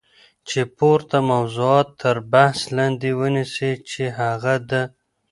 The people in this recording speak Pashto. چی پورته موضوعات تر بحث لاندی ونیسی چی هغه د